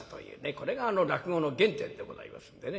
これが落語の原点でございますんでね。